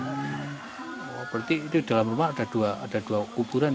berarti itu dalam rumah ada dua kuburan